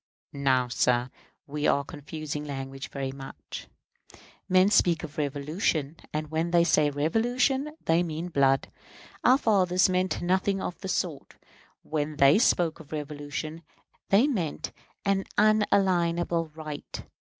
Now, sir, we are confusing language very much. Men speak of revolution; and when they say revolution they mean blood. Our fathers meant nothing of the sort. When they spoke of revolution they meant an unalienable right.